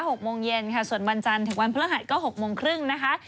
หกโมงเย็นค่ะส่วนวันจันทร์ถึงวันพฤหัสก็หกโมงครึ่งนะคะ